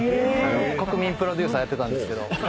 国民プロデューサーやってたんですけど。